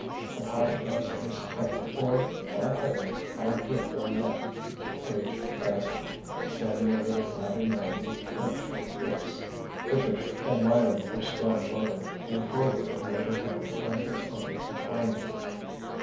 "Apologise to Miss Carrol, or, by Heaven! I'll break your neck!" raged Basil, standing over the flabby man with clenched fists. Patricia, admiring her strong lover, came forward and laid her hand on his arm imploringly.